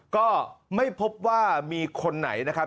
ก็ไม่พบว่ามีคนไหนนะครับ